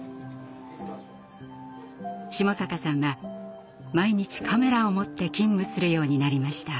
下坂さんは毎日カメラを持って勤務するようになりました。